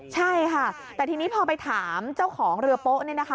ใช่ค่ะแต่ทีนี้พอไปถามเจ้าของเรือโป๊ะเนี่ยนะคะ